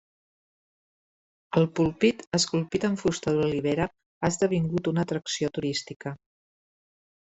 El púlpit, esculpit amb fusta d'olivera, ha esdevingut una atracció turística.